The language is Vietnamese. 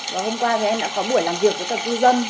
và hôm qua em đã có buổi làm việc với tầng cư dân